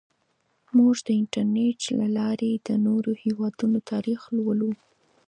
موږ د انټرنیټ له لارې د نورو هیوادونو تاریخ لولو.